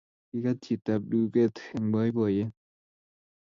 Kigaat chitab duget eng boiboiyet